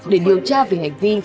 để điều tra về hành vi